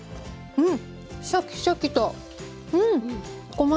うん。